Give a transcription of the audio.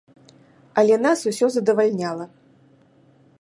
Але нас усё задавальняла.